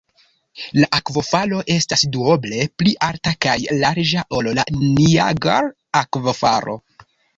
La akvofalo estas duoble pli alta kaj larĝa ol la Niagar-akvofalo.